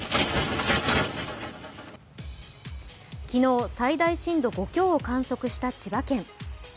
昨日、最大震度５強を観測した千葉県。